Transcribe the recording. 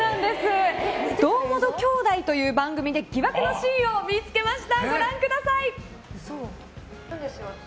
「堂本兄弟」という番組で疑惑のシーンを見つけました。